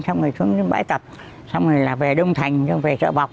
xong rồi xuống những bãi tập xong rồi là về đông thành xong về chợ bọc